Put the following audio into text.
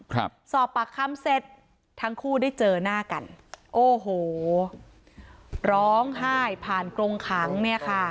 ครับสอบปากคำเสร็จทั้งคู่ได้เจอหน้ากันโอ้โหร้องไห้ผ่านกรงขังเนี่ยค่ะ